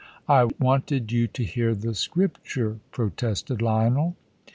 "I wanted you to hear the scripture," protested Lionel.